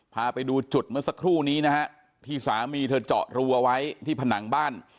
พาไปดูจุดเมื่อสักครู่นี้นะฮะที่สามีเธอเจาะรูเอาไว้ที่ผนังบ้าน